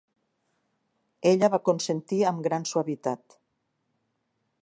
Ella va consentir amb gran suavitat.